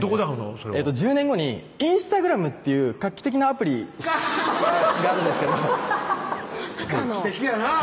それ１０年後にインスタグラムっていう画期的なアプリ画期的やなぁ